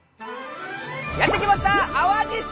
やって来ました淡路島！